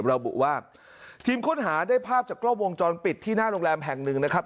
ระบุว่าทีมค้นหาได้ภาพจากกล้องวงจรปิดที่หน้าโรงแรมแห่งหนึ่งนะครับ